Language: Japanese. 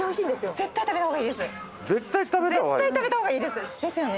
絶対食べた方がいい？ですよね？